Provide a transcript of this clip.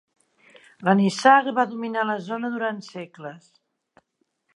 La nissaga va dominar la zona durant segles.